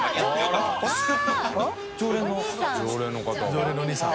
常連のお兄さん。